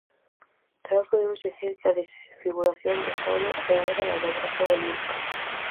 Tamén podemos dicir que a desfiguración do soño é obra da elaboración onírica.